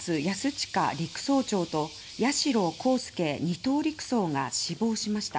親陸曹長と八代航佑２等陸曹が死亡しました。